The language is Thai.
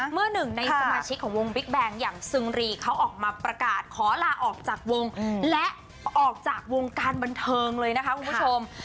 เมื่อหนึ่งในสมาชิกของวงบิ๊กแบงค์อย่างซึงรีเขาออกมาประกาศขอลาออกจากวงและออกจากวงการบันเทิงเลยนะคะคุณผู้ชม